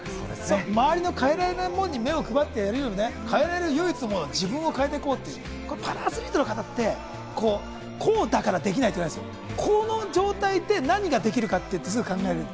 周りの変えられないものに目を配ってやるより変えられる、唯一の自分を変えて行こうっていう、パラアスリートの方ってこうだからできないじゃない、この状態で何ができるか考える。